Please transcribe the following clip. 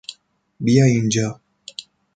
بیا اینجا!